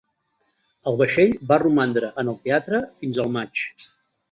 El vaixell va romandre en el teatre fins el maig.